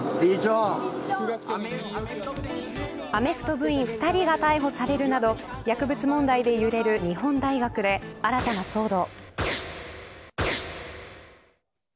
アメフト部員２人が逮捕されるなど薬物問題で揺れる日本大学で新たな騒動。